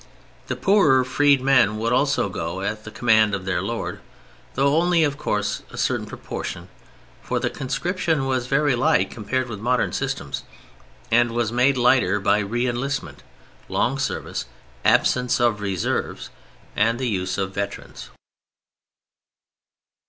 The poorer freed men would also go at the command of their lord (though only of course a certain proportion—for the conscription was very light compared with modern systems, and was made lighter by reënlistment, long service, absence of reserves, and the use of veterans).